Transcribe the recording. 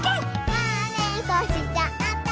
「まねっこしちゃった」